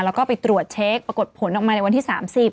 แล้วก็ไปตรวจเช็คปรากฏผลออกมาในวันที่๓๐